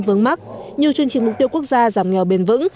vướng mắt như chương trình mục tiêu quốc gia giảm nghèo bền vững